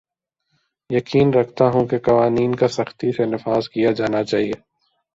یقین رکھتا ہوں کہ قوانین کا سختی سے نفاذ کیا جانا چاھیے